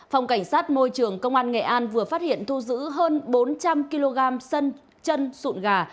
phòng cảnh sát môi trường công an nghệ an vừa phát hiện thu giữ hơn bốn trăm linh kg sân chân sụn gà